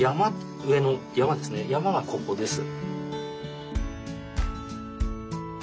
山がここです。